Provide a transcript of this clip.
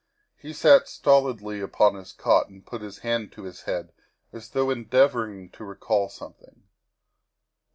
He sat stolidly upon his cot and put his hand to his head as though endeavoring to recall something.